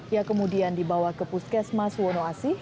yang kemudian dibawa ke puskes mas wono asih